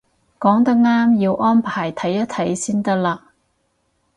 講得啱，要安排睇一睇先得嘞